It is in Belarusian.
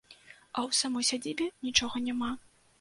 А ў самой сядзібе нічога няма.